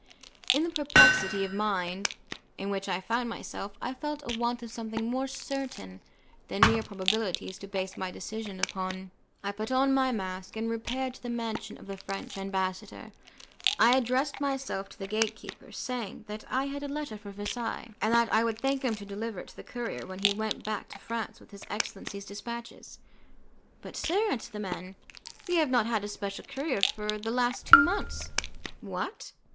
In the perplexity of mind in which I found myself, I felt a want of something more certain than mere probabilities to base my decision upon. I put on my mask, and repaired to the mansion of the French ambassador. I addressed myself to the gate keeper, saying that I had a letter for Versailles, and that I would thank him to deliver it to the courier when he went back to France with his excellency's dispatches. "But, sir," answered the man, "we have not had a special courier for the last two months." "What?